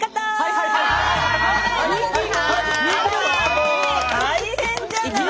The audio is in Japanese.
もう大変じゃない！